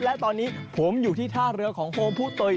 และตอนนี้ผมอยู่ที่ท่าเรือของโฮมผู้เตย